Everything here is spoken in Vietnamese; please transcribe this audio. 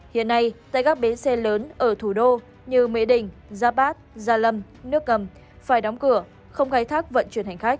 hiện nay tại các bến xe lớn ở thủ đô như mỹ đình giáp bát gia lâm nước cầm phải đóng cửa không khai thác vận chuyển hành khách